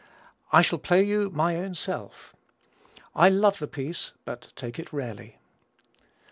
I shall play you my own self. I love the piece, but take it rarely.'